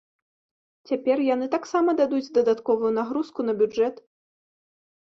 Цяпер яны таксама дадуць дадатковую нагрузку на бюджэт.